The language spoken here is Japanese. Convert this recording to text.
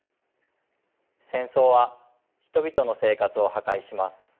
戦争は人々の生活を破壊します。